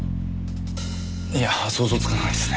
いや想像つかないですね。